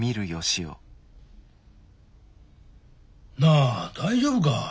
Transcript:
なあ大丈夫か？